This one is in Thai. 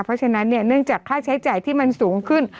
เพราะฉะนั้นเนี่ยเนื่องจากค่าใช้จ่ายที่มันสูงขึ้น